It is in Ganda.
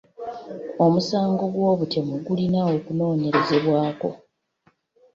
Omusango gw'obutemu gulina okunoonyerezebwako.